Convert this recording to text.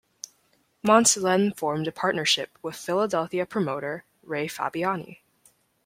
Mondt then formed a partnership with Philadelphia promoter, Ray Fabiani.